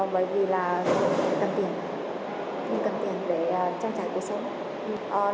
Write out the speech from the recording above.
bởi vì là em cần tiền em cần tiền để trang trải cuộc sống